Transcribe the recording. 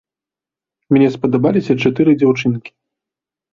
Мне спадабаліся чатыры дзяўчынкі.